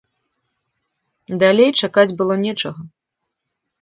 Далей чакаць было нечага.